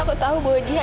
aku tau bahwa dia di kamu